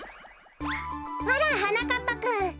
あらはなかっぱくん。